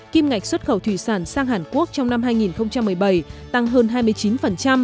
kim ngạch xuất khẩu thủy sản sang hàn quốc trong năm hai nghìn một mươi bảy tăng hơn hai mươi chín